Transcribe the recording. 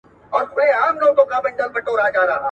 د پناه غوښتونکو کورنيو سره بايد مرسته وسي.